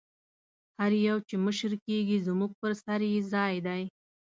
هر یو چې مشر کېږي زموږ پر سر یې ځای دی.